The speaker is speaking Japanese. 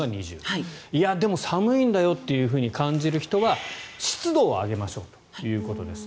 いやでも寒いんだよと感じる人は湿度を上げましょうということです。